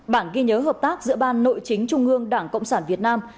bản ghi nhớ hợp tác giữa ban nội chính trung ương đảng cộng sản việt nam